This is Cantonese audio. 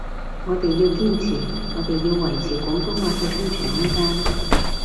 我哋要堅持，我哋要維持廣東話嘅生存空間